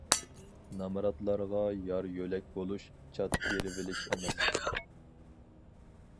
نامراتلارغا يار- يۆلەك بولۇش چات كېرىۋېلىش ئەمەس.